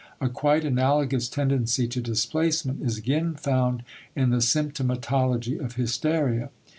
A quite analogous tendency to displacement is again found in the symptomatology of hysteria.